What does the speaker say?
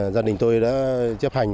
gia đình tôi đã chấp hành